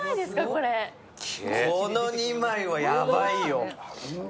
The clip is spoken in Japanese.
この２枚はヤバいよ。